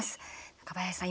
中林さん